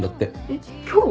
えっ今日？